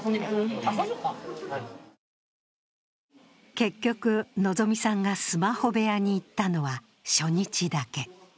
結局、希さんがスマホ部屋に行ったのは初日だけ。